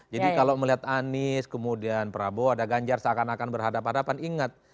jadi kalau melihat anies kemudian prabowo ada ganjar seakan akan berhadapan hadapan ingat